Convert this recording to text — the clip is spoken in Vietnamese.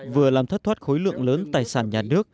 vừa làm thất thoát khối lượng lớn tài sản